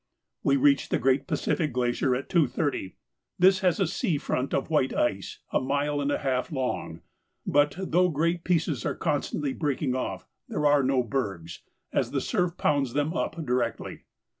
We reached the Great Pacific Glacier at 2.30; this has a sea front of white ice a mile and a half long, but, though great pieces are constantly breaking off, there are no bergs, as the surf pounds them up directly.